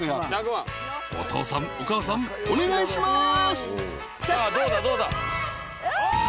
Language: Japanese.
［お父さんお母さんお願いします］